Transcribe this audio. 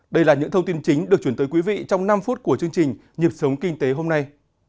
đây là những thông tin chính được chuyển tới quý vị trong năm phút của chương trình nhịp sống kinh tế hôm nay